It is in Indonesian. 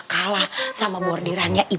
katinmu sudah siap